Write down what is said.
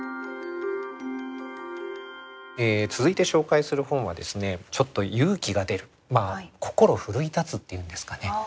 続いて紹介する本はですねちょっと勇気が出るまあ心奮い立つっていうんですかね